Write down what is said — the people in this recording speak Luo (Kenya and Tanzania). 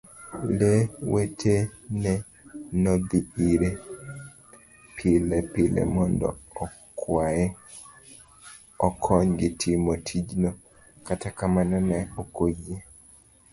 Lee wetene nodhi ire pilepile mondo okwaye okonygi timo tijno, kata kamano ne okoyie.